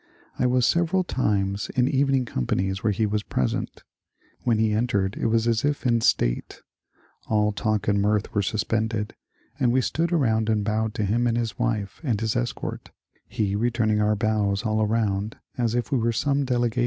I was several times in evening companies whete he was present. When he entered it was as if in state ; all talk and mirth were suspended, and we stood around and bowed to him and his wife and his escort, he returning our bows all around as if we were some delegation.